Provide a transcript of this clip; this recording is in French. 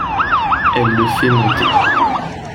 Elle le fait monter.